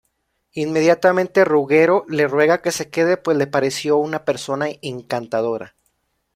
Inmediatamente Ruggero le ruega que se quede pues le pareció una persona encantadora.